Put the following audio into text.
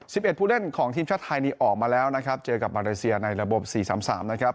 สิบเอ็ดผู้เล่นของทีมชาติไทยนี่ออกมาแล้วนะครับเจอกับมาเลเซียในระบบสี่สามสามนะครับ